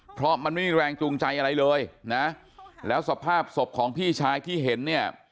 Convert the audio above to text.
เพราะมันไม่มีแรงจูงใจอะไรเลยนะแล้วสภาพศพของพี่ชายที่เห็นเนี่ย